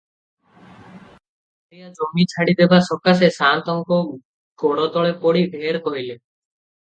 ସାରିଆ ଜମି ଛାଡ଼ିଦେବା ସକାଶେ ସାଆନ୍ତଙ୍କ ଗୋଡ଼ତଳେ ପଡି ଢେର କହିଲେ ।